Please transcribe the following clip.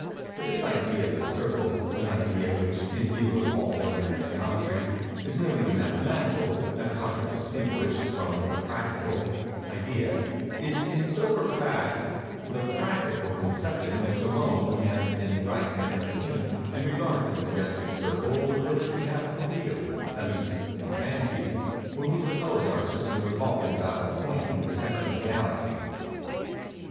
But this idea of the circle—an idea which, in view of all ordinary geometry, is merely the mathematical, as contradistinguished from the practical, idea—is, in sober fact, the practical conception which alone we have any right to entertain in regard to the majestic circle with which we have to deal, at least in fancy, when we suppose our system revolving about a point in the centre of the Galaxy.